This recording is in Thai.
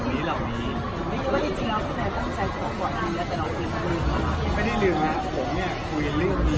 หรือวี่คุณจะไปญี่ปุ่นหรือจะร้องหรืออะไร